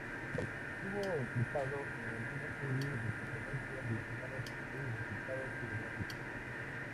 Antoine estuvo implicado en una serie de controversias relacionadas con sus resultados geográficos.